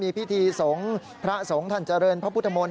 มีพิธีสงฆ์พระสงฆ์ท่านเจริญพระพุทธมนต